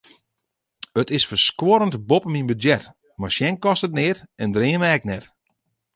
It is ferskuorrend boppe myn budzjet, mar sjen kostet neat en dreame ek net.